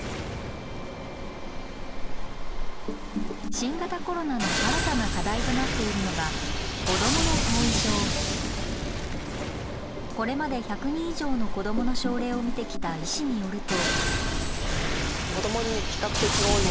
新型コロナの新たな課題となっているのがこれまで１００人以上の子どもの症例を診てきた医師によると。